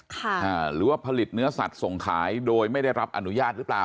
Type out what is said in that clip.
หรือว่าผลิตเนื้อสัตว์ส่งขายโดยไม่ได้รับอนุญาตหรือเปล่า